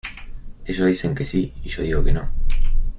Ellos dicen que sí y yo digo que no.